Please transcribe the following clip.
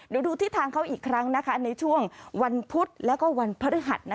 เดี๋ยวดูทิศทางเขาอีกครั้งในช่วงวันพุธแล้วก็วันพฤหัส